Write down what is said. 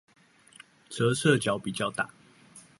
折射角比較大